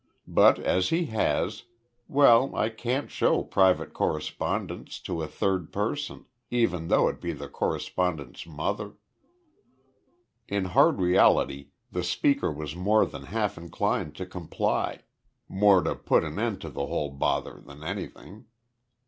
But as he has, well I can't show private correspondence to a third person, even though it be the correspondent's mother." In hard reality the speaker was more than half inclined to comply more to put an end to the whole bother than anything.